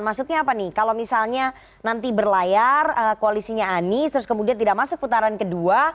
maksudnya apa nih kalau misalnya nanti berlayar koalisinya anies terus kemudian tidak masuk putaran kedua